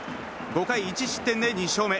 ５回１失点で２勝目。